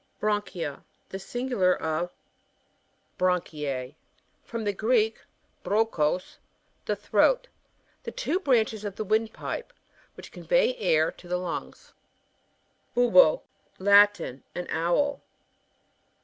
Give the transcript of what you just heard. Ba'oNCHiA.— The singular of BaoNCHiiE. — From the Greek, brog" eho8^ the throat The Wo branches of the wind pipe which convey air to the langs. •BiTBo. — Latin. An Owl.